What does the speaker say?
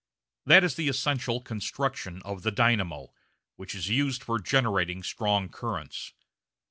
That is the essential construction of the "dynamo," which is used for generating strong currents.